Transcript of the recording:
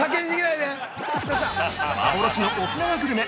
◆幻の沖縄グルメ！